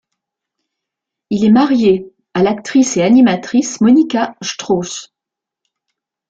Il est marié à l'actrice et animatrice Monika Strauch.